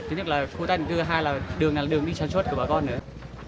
thứ nhất là khu tác định cư hai là đường đi sản xuất của bà con nữa